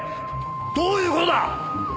どういう事だ！？